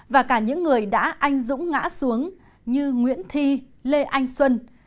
và cả những người đã anh dũng ngã xuống như nguyễn thi lê anh xuân